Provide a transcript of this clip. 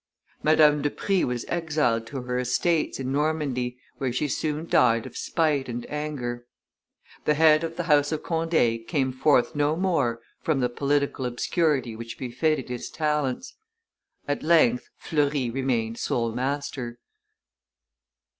Madame de Prie was exiled to her estates in Normandy, where she soon died of spite and anger. The head of the House of Conde came forth no more from the political obscurity which befitted his talents. At length Fleury remained sole master.